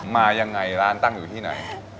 มายังไงร้านตั้งอยู่ที่ไหน